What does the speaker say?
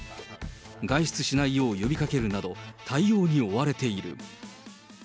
外出しないよう呼びかけるなど、対応に追われている。